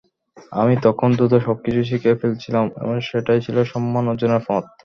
আমি তখন দ্রুত সবকিছু শিখে ফেলছিলাম এবং সেটাই ছিল সম্মান অর্জনের পথ।